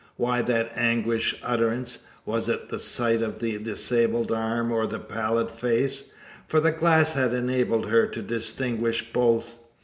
Why that anguished utterance? Was it the sight of the disabled arm, or the pallid face: for the glass had enabled her to distinguish both?